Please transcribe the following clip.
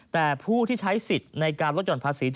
แต่ผู้ที่ใช้สิทธิ์ในการลดหย่อนภาษี